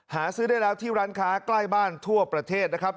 หาซื้อได้แล้วที่ร้านค้าใกล้บ้านทั่วประเทศนะครับ